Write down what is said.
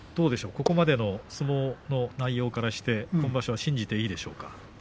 ここまでの相撲の内容からして今場所、信じていいですか。